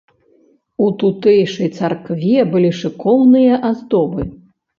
У тутэйшай царкве былі шыкоўныя аздобы.